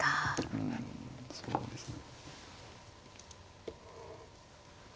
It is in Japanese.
うんそうですね。